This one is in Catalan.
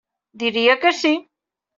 Diria que sí.